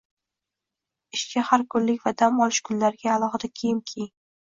Ishga har kunlik va dam olish joylariga alohida kiyim kiying.